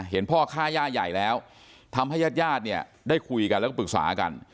พ่อฆ่าย่าใหญ่แล้วทำให้ญาติญาติเนี่ยได้คุยกันแล้วก็ปรึกษากัน